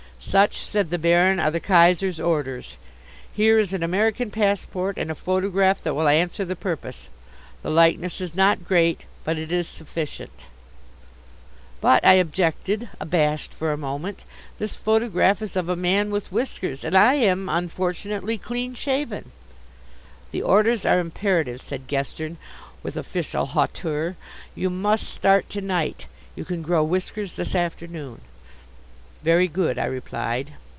"Such," said the Baron, "are the Kaiser's orders. Here is an American passport and a photograph that will answer the purpose. The likeness is not great, but it is sufficient." "But," I objected, abashed for a moment, "this photograph is of a man with whiskers and I am, unfortunately, clean shaven." "The orders are imperative," said Gestern, with official hauteur. "You must start to night. You can grow whiskers this afternoon." "Very good," I replied.